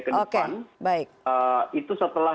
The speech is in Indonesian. ke depan itu setelah